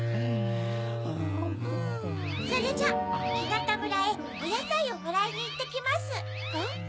それじゃあひなたむらへおやさいをもらいにいってきます。